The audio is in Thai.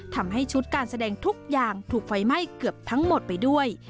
ทำให้ชุดการแสดงทุกอย่างถูกไฟไหม้เกือบทั้งหมดไปด้วย